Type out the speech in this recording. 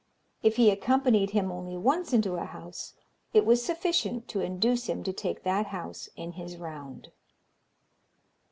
If he accompanied him only once into a house, it was sufficient to induce him to take that house in his round.